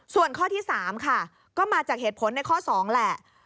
ส่วนข้อที่๓ค่ะก็มาจากเหตุผลในข้อ๒แหละ